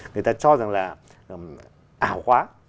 người ta cho rằng là ảo quá